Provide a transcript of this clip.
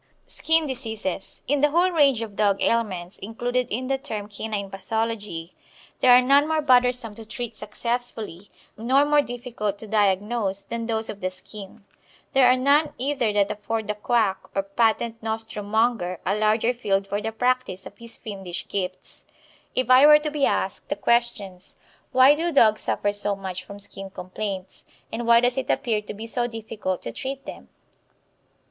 SKIN DISEASES. In the whole range of dog ailments included in the term canine pathology there are none more bothersome to treat successfully nor more difficult to diagnose than those of the skin. There are none either that afford the quack or patent nostrum monger a larger field for the practice of his fiendish gifts. If I were to be asked the questions, "Why do dogs suffer so much from skin complaints?" and "Why does it appear to be so difficult to treat them?"